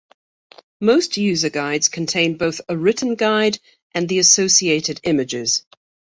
Most user guides contain both a written guide and the associated images.